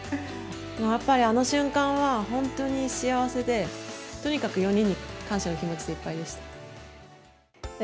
あの瞬間は本当に幸せで、とにかく４人に感謝の気持ちでいっぱいでした。